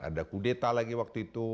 ada kudeta lagi waktu itu